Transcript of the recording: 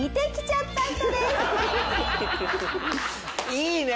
いいね！